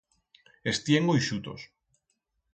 Es tiengo ixutos.